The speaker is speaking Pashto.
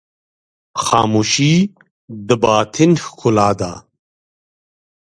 خاموشي، د باطن ښکلا ده.